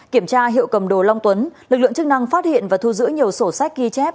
kiểm tra hiệu cầm đồ long tuấn lực lượng chức năng phát hiện và thu giữ nhiều sổ sách ghi chép